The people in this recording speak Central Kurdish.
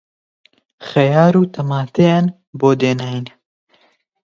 خەیار و تەماتەیان بۆ دێناین